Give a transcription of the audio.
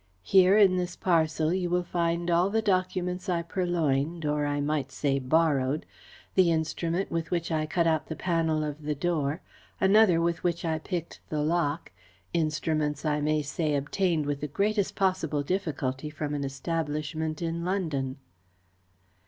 Here, in this parcel, you will find all the documents I purloined, or I might say borrowed, the instrument with which I cut out the panel of the door, another with which I picked the lock instruments, I may say, obtained with the greatest possible difficulty from an establishment in London."